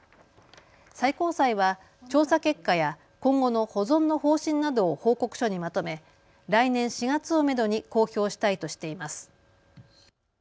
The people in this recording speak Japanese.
最高裁は調査結果や今後の保存の方針などを報告書にまとめ来年４月をめどに公表したいとしています。